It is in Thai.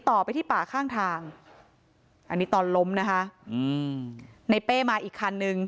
ต่อไปที่ป่าข้างทางอันนี้ตอนล้มนะคะอืมในเป้มาอีกคันนึง